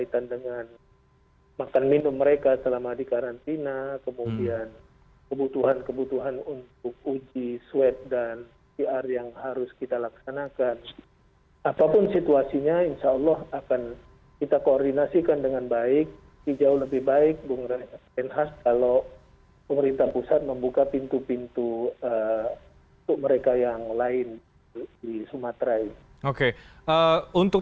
terima kasih pak